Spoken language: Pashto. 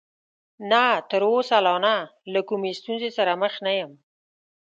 نه، تر اوسه لا نه، له کومې ستونزې سره مخ نه یم.